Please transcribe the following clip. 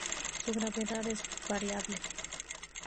Su gravedad es variable.